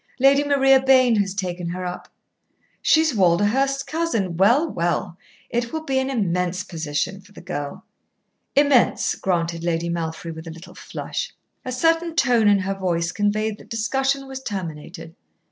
Lady Maria Bayne has taken her up." "She is Walderhurst's cousin. Well, well! It will be an immense position for the girl." "Immense," granted Lady Malfry, with a little flush. A certain tone in her voice conveyed that discussion was terminated.